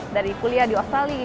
dari kuliah di australia